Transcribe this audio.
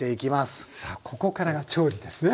さあここからが調理ですね。